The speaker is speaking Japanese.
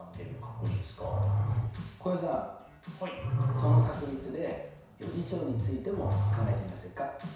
その確率で余事象についても考えてみませんか？